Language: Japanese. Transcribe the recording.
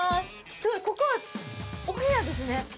すごいここはお部屋ですね。